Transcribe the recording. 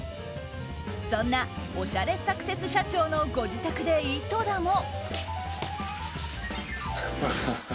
そんなおしゃれサクセス社長のご自宅で井戸田も。